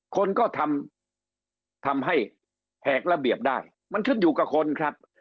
คนก็ทำให้แหกระเบียบได้มันขึ้นอยู่กับคนครับ